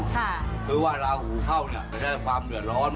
คือว่าลาหูเข้าเนี่ยจะได้ความเดือดร้อน